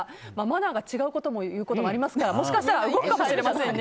マナーが違うということもありますからもしかしたら動くかもしれません。